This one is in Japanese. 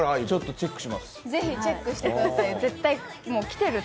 ちょっとチェックします。